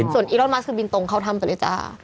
ส่วนอีรอนมัสคือบินตรงเข้าถ้ำไปเลยจ้า